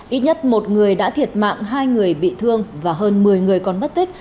ít nhất một người đã thiệt mạng hai người bị thương và hơn một mươi người còn mất tích